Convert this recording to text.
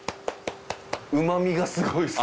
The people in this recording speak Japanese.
うま味がすごいっす。